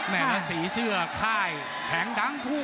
แล้วสีเสื้อค่ายแข็งทั้งคู่